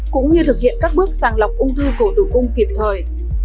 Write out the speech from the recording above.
cũng như thực hiện các bước sàng lọc ung thư cổ tử cung kịp thời